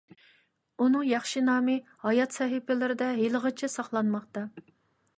ئۇنىڭ ياخشى نامى ھايات سەھىپىلىرىدە ھېلىغىچە ساقلانماقتا.